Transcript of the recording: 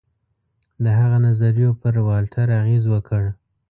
د هغه نظریو پر والټر اغېز وکړ.